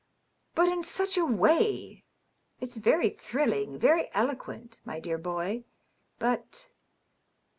But in such a way ! It's very thrilling, very eloquent, my dear boy, but